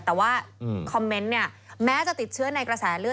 แต่ว่าคอมเมนต์เนี่ยแม้จะติดเชื้อในกระแสเลือด